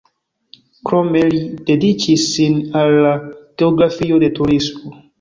Krome li dediĉis sin al la geografio de turismo.